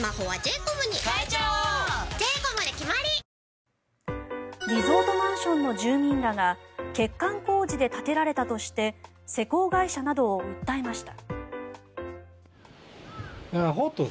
東京海上日動リゾートマンションの住民らが欠陥工事で建てられたとして施工会社などを訴えました。